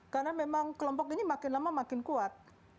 karena memang kelompok ini makin lama makin kuat